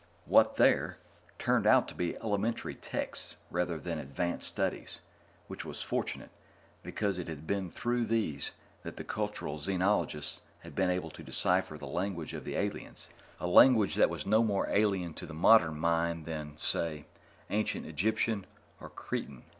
What there were turned out to be elementary texts rather than advanced studies which was fortunate, because it had been through these that the cultural xenologists had been able to decipher the language of the aliens, a language that was no more alien to the modern mind than, say, ancient Egyptian or Cretan.